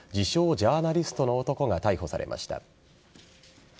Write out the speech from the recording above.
ジャーナリストの男が逮捕されました。